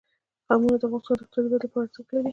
قومونه د افغانستان د اقتصادي ودې لپاره ارزښت لري.